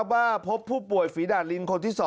ว่าพบผู้ป่วยฝีดาดลิงคนที่๒